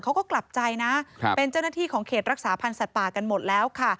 เขาก็กลับใจนะเป็นเจ้าหน้าที่ของเขตรักษาพันธ์สัตว์ป่ากันหมดแล้วค่ะ